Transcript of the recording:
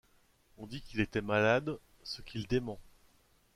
On dit qu'il était malade, ce qu'il dément.